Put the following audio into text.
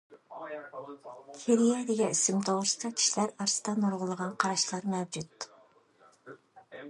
كېرىيە دېگەن ئىسىم توغرىسىدا كىشىلەر ئارىسىدا نۇرغۇنلىغان قاراشلار مەۋجۇت.